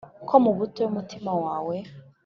Ko mu butoya umutima wawe